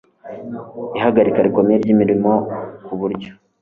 ihagarika rikomeye ry imirimo ku buryo